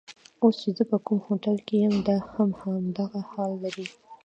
اوس چې زه په کوم هوټل کې یم دا هم همدغه حال لري.